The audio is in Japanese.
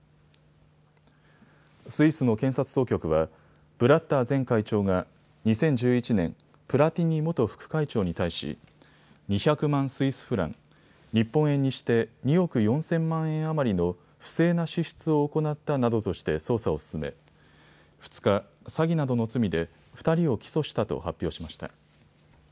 スイスの検察当局はブラッター前会長が２０１１年、プラティニ元副会長に対し２００万スイスフラン、日本円にして２億４０００万円余りの不正な支出を行ったなどとして捜査を進め２日、詐欺などの罪で２人を起訴したと発表しました。